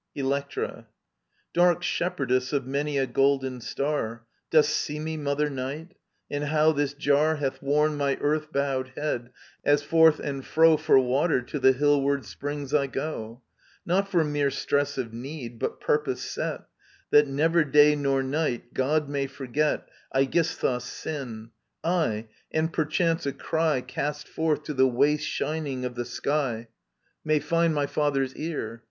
Electra, Dark shepherdess of many a golden star. Dost see me. Mother Night ? And how this jar Hath worn my earth bowed head, as forth and fro For water to the hillward springs I go ? Not for mere stress of need, but purpose set, That never day nor night God may forget Aegisthus' sin : aye, and perchance a cry Cast forth to the was; te shining of the sl^ Digitized by VjOOQIC 6 EURIPIDES May find my father's car.